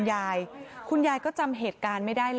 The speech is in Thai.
เนี่ยมนต์เนี่ยใช่ไหมที่พ่อออกไปเนี่ย